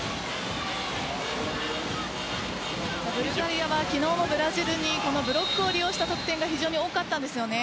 ブルガリアは昨日のブラジルにこのブロックを利用した得点が非常に多かったんですよね。